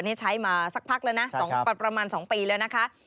นี่ใช้มาสักพักแล้วนะประมาณ๒ปีแล้วนะคะ